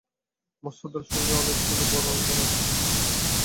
মস্ত দল, সঙ্গে অনেকগুলি বড় বড় কাঠের বাক্স।